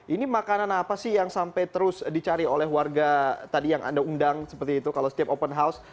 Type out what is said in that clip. ini makanan apa sih yang sampai terus dicari oleh warga tadi yang anda undang seperti itu kalau setiap open house